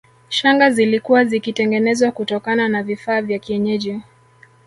Shanga zilikuwa zikitengenezwa kutokana na vifaa vya kienyeji